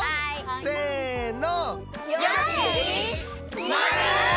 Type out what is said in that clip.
せの。